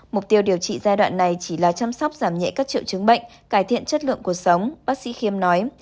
mục tiêu điều trị giai đoạn này chỉ là chăm sóc giảm nhẹ các triệu chứng bệnh cải thiện chất lượng cuộc sống bác sĩ khiêm nói